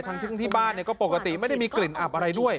ที่บ้านก็ปกติไม่ได้มีกลิ่นอับอะไรด้วย